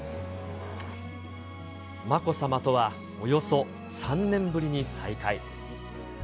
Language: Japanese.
まこさまとはおよそ３年ぶりに再会。